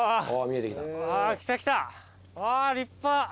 あ立派！